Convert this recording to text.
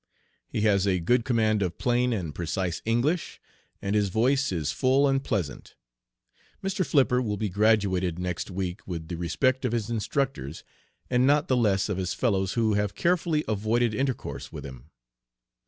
He has a good command of plain and precise English, and his voice is full and pleasant. Mr. Flipper will be graduated next week with the respect of his instructors, and not the less of his fellows, who have carefully avoided intercourse with him.